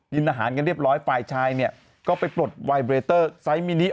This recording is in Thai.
กินอาหารกันเรียบร้อยฝ่ายชายเนี่ยก็ไปปลดไวเรเตอร์ไซส์มินิ